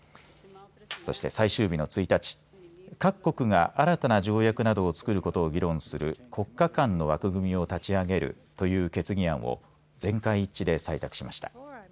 そして、最終日の１日各国が新たな条約などをつくることを議論する国家間の枠組みを立ち上げるという決議案を全会一致で採択しました。